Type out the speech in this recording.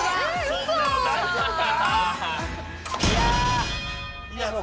そんなの大丈夫か？